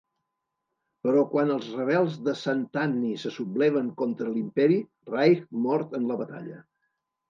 Però quan els rebels de Santanni se subleven contra l'imperi, Raych mor en la batalla.